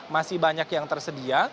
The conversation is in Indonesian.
masih banyak yang tersedia